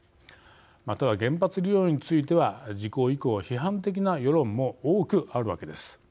ただ、原発利用については事故以降批判的な世論も多くあるわけです。